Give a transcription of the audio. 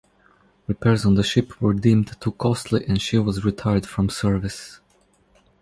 Repairs on the ship were deemed too costly and she was retired from service.